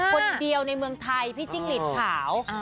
คนเดียวในเมืองไทยพี่จิ้งหลีดขาว